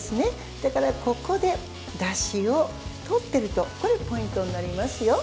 だから、ここでだしをとっていくのがポイントになりますよ。